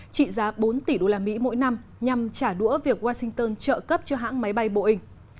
trị giá bốn tỷ usd mỗi năm nhằm trả đũa việc washington trợ cấp cho hãng máy bay boeing